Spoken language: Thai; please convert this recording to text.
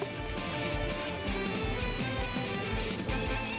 ตอนนี้